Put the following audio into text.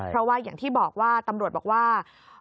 เพราะว่าอย่างที่บอกว่าตำรวจบอกว่า